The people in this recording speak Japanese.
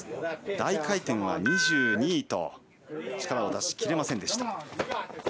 大回転は２２位と力を出し切れませんでした。